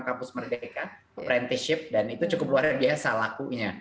kampus merdeka apprentieship dan itu cukup luar biasa lakunya